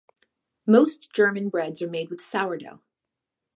Most German breads are made with sourdough.